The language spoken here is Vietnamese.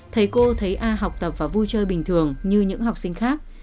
thầy cô thấy ai học tập và vui chơi bình thường như những học sinh khác